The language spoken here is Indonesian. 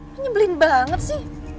lo nyebelin banget sih